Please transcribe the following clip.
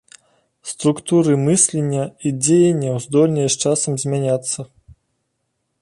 Структуры мыслення і дзеянняў здольныя з часам змяняцца.